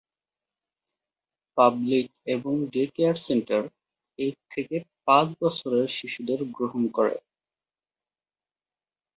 Public এবং day care centre এক থেকে পাঁচ বছরের শিশুদের গ্রহণ করে।